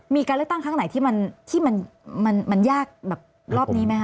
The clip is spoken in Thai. มีการเลือกตั้งครั้งไหนที่มันยากแบบรอบนี้ไหมค